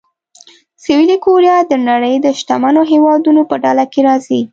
سویلي کوریا د نړۍ د شتمنو هېوادونو په ډله کې راځي.